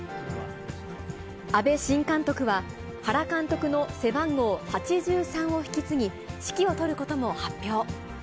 阿部新監督は、原監督の背番号８３を引き継ぎ、指揮を執ることも発表。